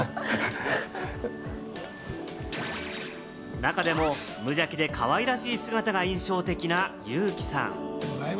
中でも無邪気でかわいらしい姿が印象的なユウキさん。